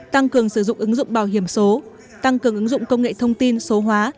tăng cường sử dụng ứng dụng bảo hiểm số tăng cường ứng dụng công nghệ thông tin số hóa